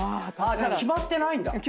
じゃあ決まってないんだ。